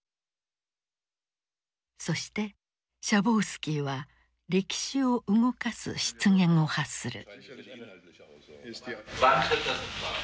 そしてシャボウスキーは歴史を動かす失言を発する。